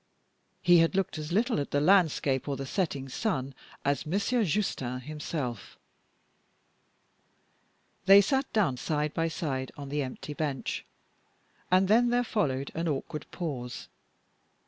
He had looked as little at the landscape or the setting sun as Monsieur Justin himself. They sat down, side by side, on the empty bench; and then there followed an awkward pause.